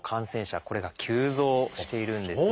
これが急増しているんですよね。